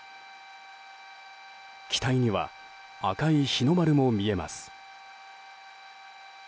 機体には赤い日の丸も見えます。